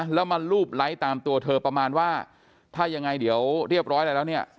แล้วมารูปไลค์ตามตัวเธอประมาณว่าถ้ายังไงเดี๋ยวเรียบร้อยอะไรแล้วเนี่ย